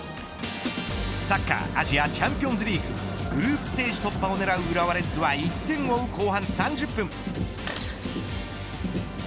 サッカーアジアチャンピオンズリーググループステージ突破を狙う浦和レッズは１点を追う後半３０分。